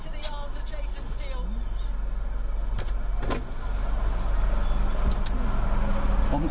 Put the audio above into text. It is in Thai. บ้าจริงต่อเอ้ย